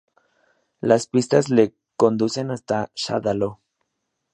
Las pistas le conducen hasta Shadaloo.